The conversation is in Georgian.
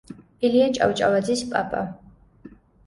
ილია ჭავჭავაძის პაპა.